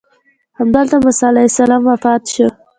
همدلته موسی علیه السلام وفات شو.